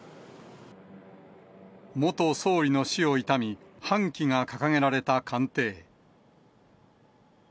元総理の死を悼み、半旗が掲げられた官邸。